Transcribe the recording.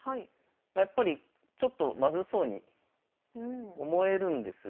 やっぱりちょっとまずそうに思えるんですが。